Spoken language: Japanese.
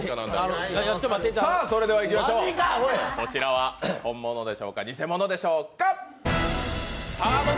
それではいきましょう、こちらは本物でしょうか、偽物でしょうか？